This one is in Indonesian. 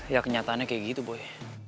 ya kenyataannya kayak gitu boleh